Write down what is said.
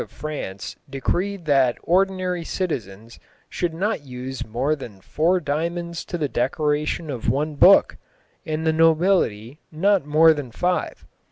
of France decreed that ordinary citizens should not use more than four diamonds to the decoration of one book, and the nobility not more than five.